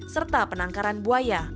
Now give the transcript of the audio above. serta penangkaran buaya